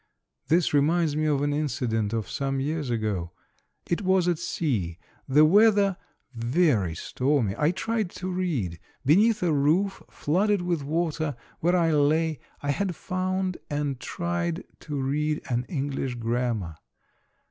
This reminds me of an inci dent of some years ago. It was at sea, the weather very stormy. I tried to read. Beneath a roof flooded with water, where I lay, I had found and tried to read an English grammar.